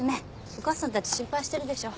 お母さんたち心配してるでしょ。